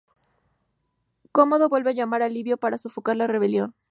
Cómodo vuelve a llamar a Livio para sofocar la rebelión.